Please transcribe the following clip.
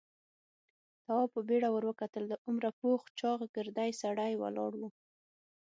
تواب په بيړه ور وکتل. له عمره پوخ چاغ، ګردی سړی ولاړ و.